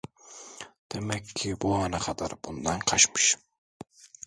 Demek ki bu ana kadar bundan kaçmışım…